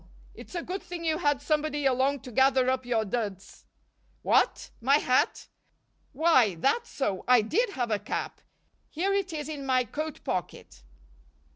It's a good thing you had somebody along to gather up your duds. What! My hat? Why, that's so, I did have a cap here it is in my coat pocket."